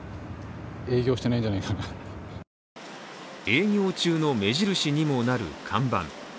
営業中の目印にもなる看板。